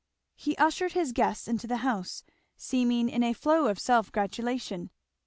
He ushered his guests into the house, seeming in a flow of self gratulation.